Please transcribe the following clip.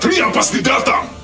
kau akan menjadi satria yang sempurna